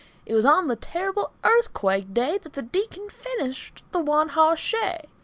It was on the terrible Earthquake day That the Deacon finished the one hoss shay.